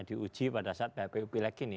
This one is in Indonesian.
di uji pada saat phpu pilek ini